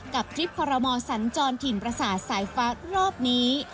ทริปคอรมอสัญจรถิ่นประสาทสายฟ้ารอบนี้